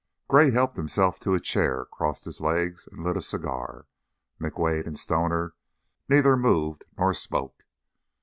Gray helped himself to a chair, crossed his legs, and lit a cigar. McWade and Stoner neither moved nor spoke.